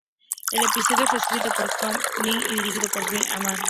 El episodio fue escrito por Scott M. Gimple y dirigido por Phil Abraham.